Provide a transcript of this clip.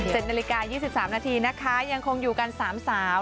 ๗นาฬิกา๒๓นาทีนะคะยังคงอยู่กันสามสาว